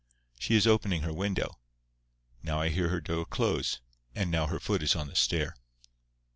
She is opening her window. Now I hear her door close; and now her foot is on the stair.